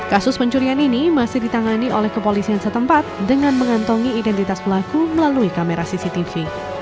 kasus pencurian ini masih ditangani oleh kepolisian setempat dengan mengantongi identitas pelaku melalui kamera cctv